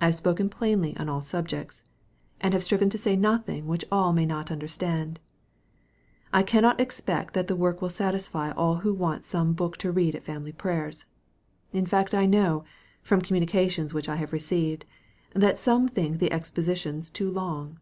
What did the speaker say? I have spoken plainly on all subjects, and have striven to say nothing which all may not understand. I cannot expect that the work will satisfy all who want some book to read at family prayers. In fact I know, from communications which I have received, that some think the expositions too long.